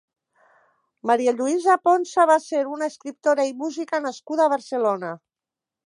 Maria Lluïsa Ponsa va ser una escriptora i música nascuda a Barcelona.